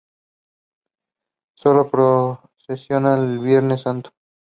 Her mother put her into gymnastics classes at the age of four.